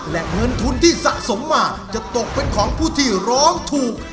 และเงินทุนที่สะสมมาจะตกเป็นของผู้ที่ร้องถูก